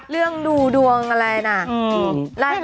เรื่องดูดวงอะไรนะ